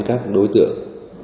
các đối tượng